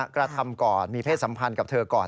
กระทำก่อนมีเพศสัมพันธ์กับเธอก่อน